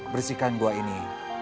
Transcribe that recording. bersihkan anggah ini